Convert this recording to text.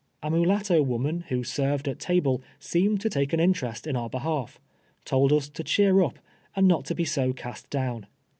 A mulatto woman who served at ta ble seemed to take an interest in our 1:)ehalf — told us to cheer up, and nr»t to be so cast down.